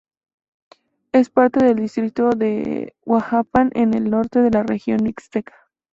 Es parte del Distrito de Huajuapan en el norte de la Region Mixteca.